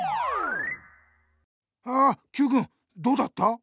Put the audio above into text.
あＱくんどうだった？